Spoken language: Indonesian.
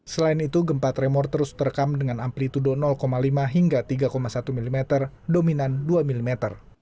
selain itu gempa tremor terus terekam dengan amplitude lima hingga tiga satu mm dominan dua mm